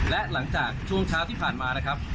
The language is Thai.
และหลังจากช่วงเช้าที่ผ่านมานะครับ